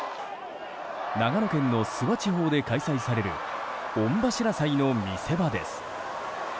長野県の諏訪地方で開催される御柱祭の見せ場です。